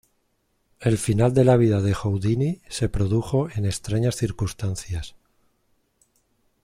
El final de la vida de Houdini se produjo en extrañas circunstancias.